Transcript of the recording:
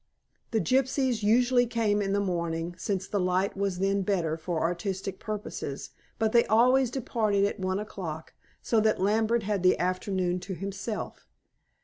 The gypsies usually came in the morning, since the light was then better for artistic purposes, but they always departed at one o'clock, so that Lambert had the afternoon to himself.